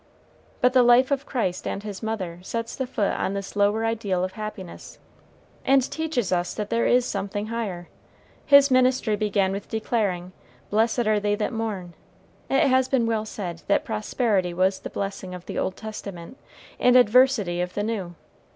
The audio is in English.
But the life of Christ and his mother sets the foot on this lower ideal of happiness, and teaches us that there is something higher. His ministry began with declaring, "Blessed are they that mourn." It has been well said that prosperity was the blessing of the Old Testament, and adversity of the New.